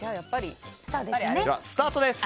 ではスタートです。